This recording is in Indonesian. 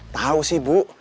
tau sih bu